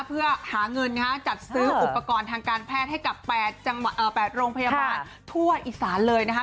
เพื่อหาเงินจัดซื้ออุปกรณ์ทางการแพทย์ให้กับ๘โรงพยาบาลทั่วอิสานเลยนะคะ